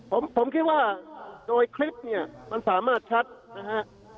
ผมผมคิดว่าโดยคลิปเนี่ยมันสามารถชัดนะฮะ